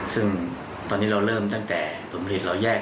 ซึ่งตอนนี้เราเริ่มตั้งแต่ผลผลิตเราแยก